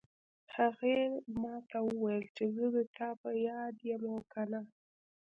هغې ما ته وویل چې زه د تا په یاد یم او که نه